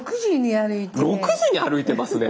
６時に歩いてね。